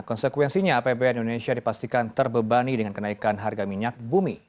konsekuensinya apbn indonesia dipastikan terbebani dengan kenaikan harga minyak bumi